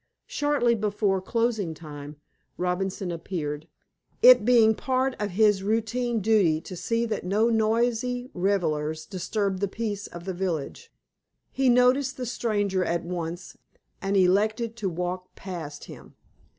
Shortly before closing time, Robinson appeared, it being part of his routine duty to see that no noisy revelers disturbed the peace of the village. He noticed the stranger at once, and elected to walk past him.